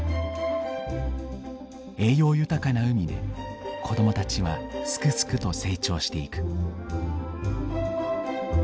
栄養豊かな海で子供たちはすくすくと成長していく。